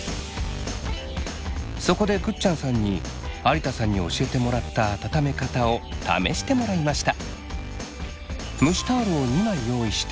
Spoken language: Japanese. そこでぐっちゃんさんに有田さんに教えてもらった温め方を試してもらいました。